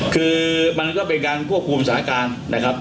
คือมันก็เป็นการควบคุมสถานการณ์นะครับ